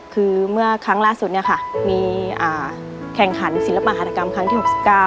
คือเมื่อครั้งล่าสุดเนี่ยค่ะมีแข่งขันศิลปหาตกรรมครั้งที่๖๙